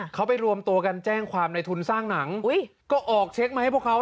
เขาไปรวมตัวกันแจ้งความในทุนสร้างหนังก็ออกเช็คมาให้พวกเขา